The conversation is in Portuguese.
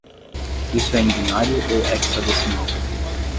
Isso é em binário ou hexadecimal?